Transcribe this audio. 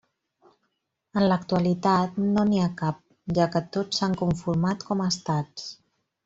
En l'actualitat, no n'hi ha cap, ja que tots s'han conformat com a estats.